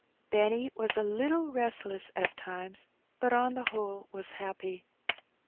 Benny was a little restless at times, but on the whole was happy.